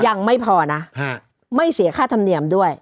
ยังไม่พอนะไม่เสียค่าธรรมเนียมด้วย